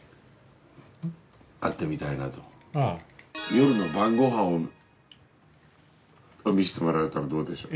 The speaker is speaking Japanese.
夜の晩ご飯を見せてもらうというのはどうでしょう。